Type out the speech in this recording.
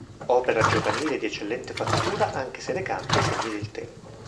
Opera giovanile di eccellente fattura anche se recante i segni del tempo.